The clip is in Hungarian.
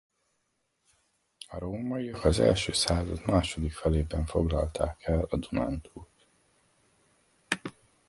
A rómaiak az első század második felében foglalták el a Dunántúlt.